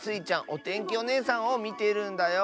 おてんきおねえさんをみてるんだよ。